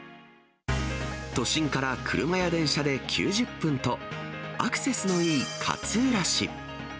都心から車や電車で９０分と、アクセスのいい勝浦市。